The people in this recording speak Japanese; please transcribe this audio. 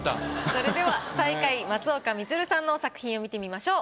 それでは最下位松岡充さんの作品を見てみましょう。